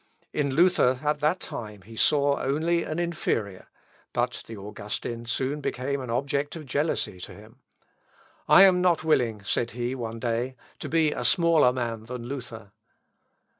In Luther at that time, he only saw an inferior, but the Augustin soon became an object of jealousy to him. "I am not willing," said he one day, "to be a smaller man than Luther."